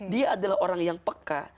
dia adalah orang yang peka